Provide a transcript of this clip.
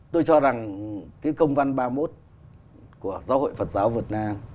tôi cho rằng cái công văn ba mươi một của giáo hội phật giáo việt nam